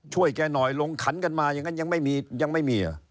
ช่วยแกหน่อยลงขันกันมาอย่างนั้นยังไม่มียังไม่มี